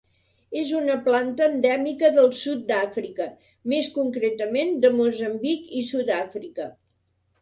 És una planta endèmica del sud d'Àfrica, més concretament de Moçambic i Sud-àfrica.